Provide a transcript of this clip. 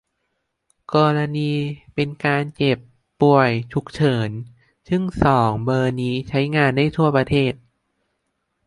กรณีเป็นการเจ็บ ป่วย ฉุกเฉิน ซึ่ง สอง เบอร์นี้ใช้งานได้ทั่วประเทศ